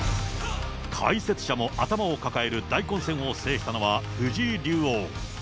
解説者も頭を抱える大混戦を制した藤井竜王。